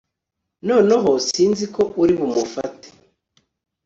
noneho sinzi ko uri bumufate